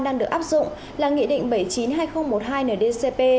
đang được áp dụng là nghị định bảy trăm chín mươi hai nghìn một mươi hai ndcp